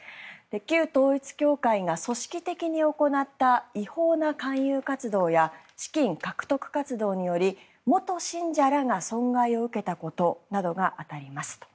旧統一教会が組織的に行った違法な勧誘活動や資金獲得活動により元信者らが損害を受けたことなどが当たりますと。